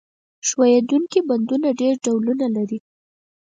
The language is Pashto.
ښورېدونکي بندونه ډېر ډولونه لري.